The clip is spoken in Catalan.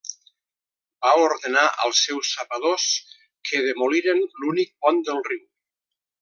Va ordenar als seus sapadors que demoliren l'únic pont del riu.